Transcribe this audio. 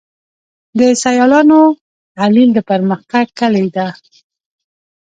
د سیالانو تحلیل د پرمختګ کلي ده.